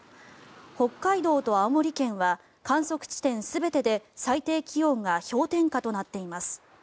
北海道と青森県は観測地点全てで最低気温が氷点下となっています。